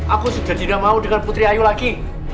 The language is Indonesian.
aku sudah tidak mau dengan putri ayu lagi